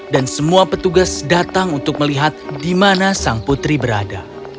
dan semua petugas datang untuk melihat di mana sang putri berada